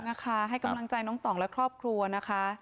นะคะให้กำลังใจน้องต่องและครอบครัวนะคะ